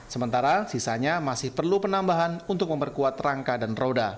sementara sisanya masih perlu penambahan untuk memperkuat rangkaian